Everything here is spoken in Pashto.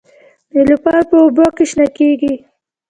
نیلوفر په اوبو کې شنه کیږي